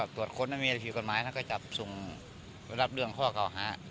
ตรวจค้นไม่มีอธิบายก่อนไม้แล้วก็ส่งไปรับเรื่องข้อเก่าหา